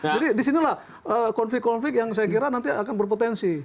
jadi disinilah konflik konflik yang saya kira nanti akan berpotensi